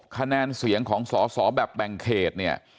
คะแนนเสียงของสอแบบแบ่งเขต